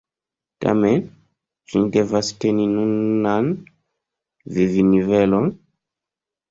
Tamen, ĉu ni devas teni nunan vivnivelon?